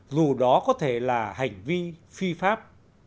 dù đó có thể là hành vi phi pháp